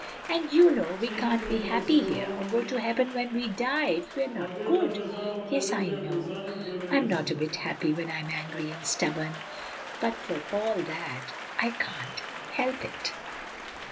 And you know we can't be happy here, or go to heaven when we die, if we're not good." "Yes, I know," said Lulu; "I'm not a bit happy when I'm angry and stubborn, but for all that I can't help it."